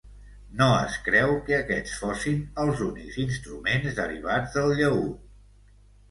No es creu que aquests fossin els únics instruments derivats del llaüt.